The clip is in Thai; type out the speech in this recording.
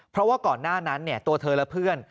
เพราะว่าก่อนหน้านั้นตัวเธอและเพื่อน